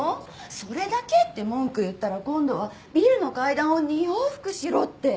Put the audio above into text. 「それだけ？」って文句言ったら今度はビルの階段を２往復しろって。